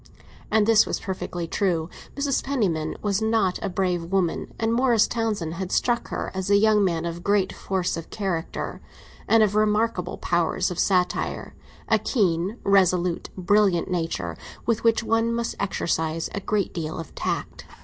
And this was perfectly true. Mrs. Penniman was not a brave woman, and Morris Townsend had struck her as a young man of great force of character, and of remarkable powers of satire; a keen, resolute, brilliant nature, with which one must exercise a great deal of tact.